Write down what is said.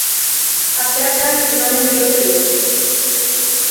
Asteartean emanen diote lur.